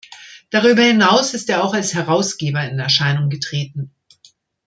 Darüber hinaus ist er auch als Herausgeber in Erscheinung getreten.